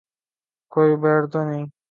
کوئی بیر تو نہیں